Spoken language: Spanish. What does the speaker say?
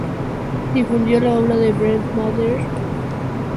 Difundió la obra de Brahms, Mahler, Hugo Wolf, Schumann y Schubert.